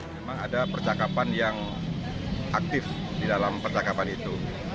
memang ada percakapan yang aktif di dalam percakapan itu